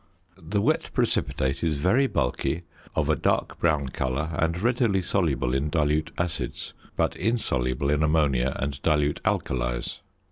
The wet precipitate is very bulky, of a dark brown colour and readily soluble in dilute acids, but insoluble in ammonia and dilute alkalies.